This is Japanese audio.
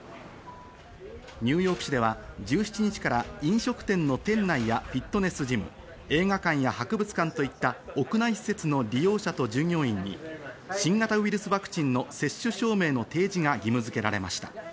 ニューヨーク市では１７日から飲食店の店内やフィットネスジム、映画館や博物館といった屋内施設の利用者と従業員に新型ウイルスワクチンの接種証明の提示が義務付けられました。